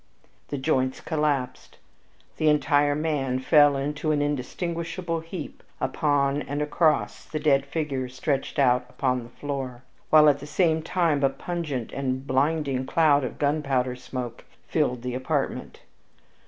The joints collapsed, and the entire man fell into an indistinguishable heap upon and across the dead figure stretched out upon the floor, while at the same time a pungent and blinding cloud of gunpowder smoke filled the apartment.